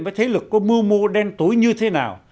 với thế lực có mưu mô đen tối như thế nào